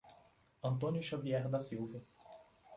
Antônio Xavier da Silva